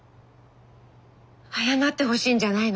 謝ってほしいんじゃないの。